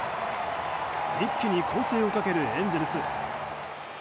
一気に攻勢をかけるエンゼルス。